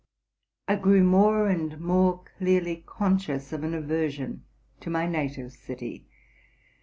[grew more and more clearly conscious of an aversion to. mny native city.